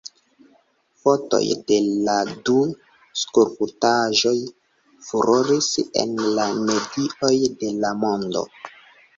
Fotoj de la du skulptaĵoj furoris en la medioj de la mondo.